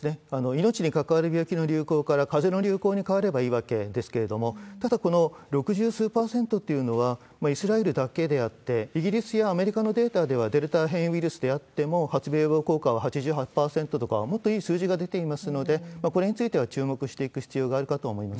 命に関わる病気の流行から、かぜの流行に変わればいいわけですけれども、ただ、この六十数％というのはイスラエルだけであって、イギリスやアメリカのデータでは、デルタ変異ウイルスであっても発病後効果は８８％とか、もっといい数字が出ていますので、これについては注目していく必要があるかと思います。